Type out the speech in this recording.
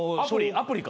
アプリか？